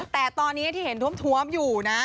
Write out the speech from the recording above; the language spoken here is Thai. แต่ตอนนี้ที่เห็นท้วมอยู่นะ